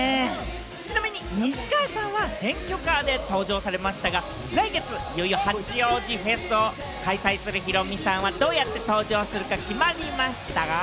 ちなみに西川さんは選挙カーで登場されましたが、来月、いよいよ八王子フェスを開催するヒロミさんは、どうやって登場するか決まりましたか？